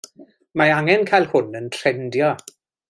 Mae angen cael hwn yn trendio.